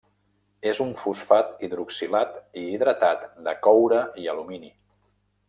És un fosfat hidroxilat i hidratat de coure i alumini.